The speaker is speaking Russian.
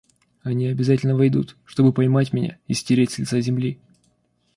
Они обязательно войдут, чтобы поймать меня и стереть с лица земли.